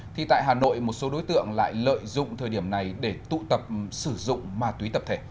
thì tại hà nội một số đối tượng lại lợi dụng thời điểm này để tụ tập sử dụng ma túy tập thể